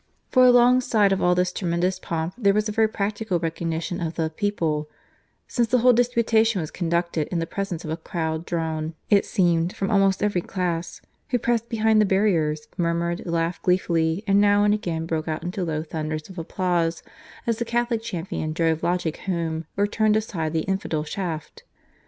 For alongside of all this tremendous pomp there was a very practical recognition of the "People"; since the whole disputation was conducted in the presence of a crowd drawn, it seemed, from almost every class, who pressed behind the barriers, murmured, laughed gleefully, and now and again broke out into low thunders of applause, as the Catholic champion drove logic home, or turned aside the infidel shaft.